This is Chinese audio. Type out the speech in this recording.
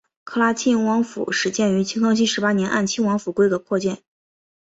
喀喇沁亲王府始建于清康熙十八年按亲王府规格扩建。